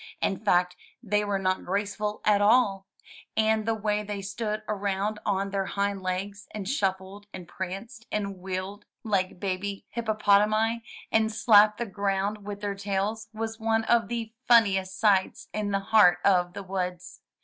In fact they were not graceful at all, and the way they stood around on their hind legs, and shuffled, and pranced, and wheeled like baby hippopotami, and slapped the ground with their tails, was one of the funniest sights in the heart of the woods.